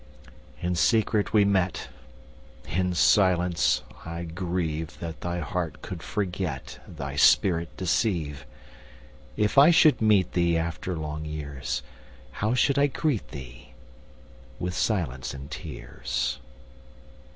In secret we met:In silence I grieveThat thy heart could forget, Thy spirit deceive. If I should meet theeAfter long years, How should I greet thee?—With silence and tears.